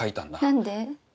何で？